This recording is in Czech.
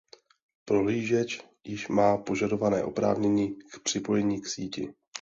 Prohlížeč již má požadované oprávnění k připojení k síti.